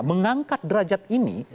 mengangkat derajat ini